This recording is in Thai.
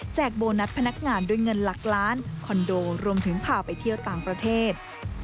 โบนัสพนักงานด้วยเงินหลักล้านคอนโดรวมถึงพาไปเที่ยวต่างประเทศ